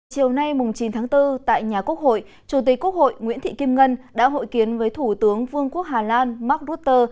chiều nay chín tháng bốn tại nhà quốc hội chủ tịch quốc hội nguyễn thị kim ngân đã hội kiến với thủ tướng vương quốc hà lan mark rutte